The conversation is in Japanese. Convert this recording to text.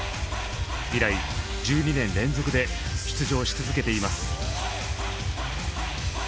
以来１２年連続で出場し続けています。